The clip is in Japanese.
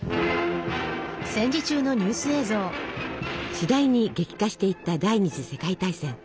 しだいに激化していった第２次世界大戦。